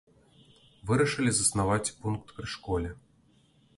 Вырашылі заснаваць пункт пры школе.